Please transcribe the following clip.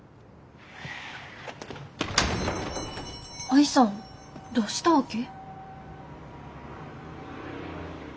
愛さんどうしたわけ？